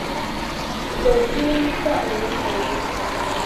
Kye kiwunyisa olwendo lwe.